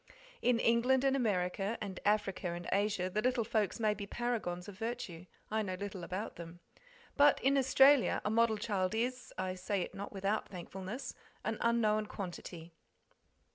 In England, and America, and Africa, and Asia, the little folks may be paragons of virtue, I know little about them. But in Australia a model child is I say it not without thankfulness an unknown quantity.